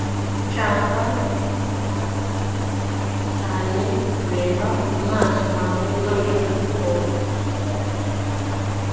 Nshaka cyane kureba mu maso hawe none ndakubonye